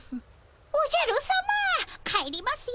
おじゃるさま帰りますよ！